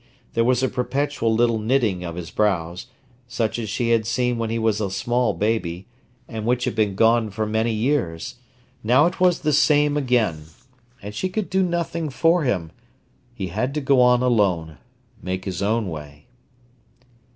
There was a perpetual little knitting of his brows, such as she had seen when he was a small baby, and which had been gone for many years. Now it was the same again. And she could do nothing for him. He had to go on alone, make his own way.